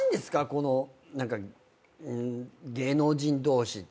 この何か芸能人同士って。